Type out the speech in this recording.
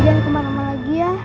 jangan emang lagi ya